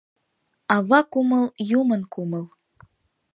Ава кумыл — Юмын кумыл.